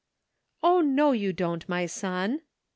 "O, no, you don't, my son!